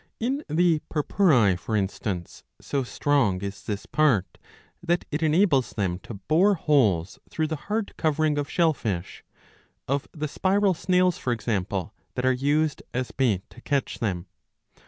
In the Purpurae,^^ for instance, so strong is this part that it enables them to bore holes through the hard covering of shell fish, of the spiral snails, for example, that are used as bait to catch them.